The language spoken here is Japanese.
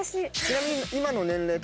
ちなみに。